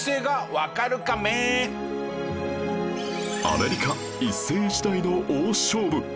アメリカ一世一代の大勝負